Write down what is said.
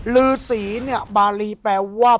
ฤาษีเนี่ยบาลีแปลว่า